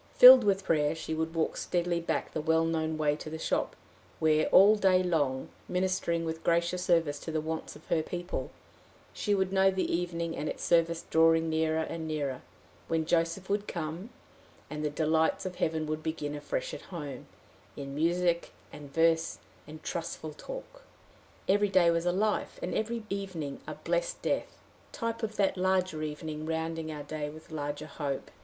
Filled with prayer she would walk steadily back the well known way to the shop, where, all day long, ministering with gracious service to the wants of her people, she would know the evening and its service drawing nearer and nearer, when Joseph would come, and the delights of heaven would begin afresh at home, in music, and verse, and trustful talk. Every day was a life, and every evening a blessed death type of that larger evening rounding our day with larger hope.